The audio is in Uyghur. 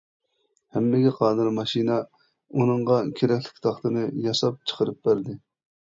ھەممىگە قادىر ماشىنا ئۇنىڭغا كېرەكلىك تاختىنى ياساپ چىقىرىپ بەردى.